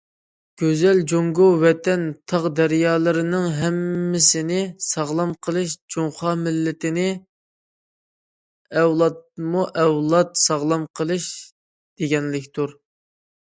گۈزەل جۇڭگو ۋەتەن تاغ- دەريالىرىنىڭ ھەممىسىنى ساغلام قىلىش، جۇڭخۇا مىللىتىنى ئەۋلادمۇئەۋلاد ساغلام قىلىش دېگەنلىكتۇر.